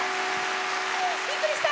びっくりした？